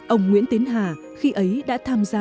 ông nguyễn tiến hà khi ấy đã tham gia